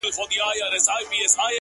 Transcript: • پر پاچا باندي د سر تر سترگو گران وه,